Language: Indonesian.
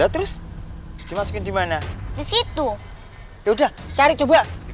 terus dimasukin dimana disitu udah cari coba iya